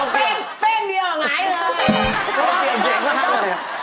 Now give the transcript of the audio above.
แป้งเดียวออกไหนเลย